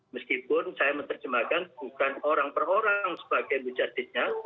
meskipun saya menerjemahkan bukan orang per orang sebagai mujadisnya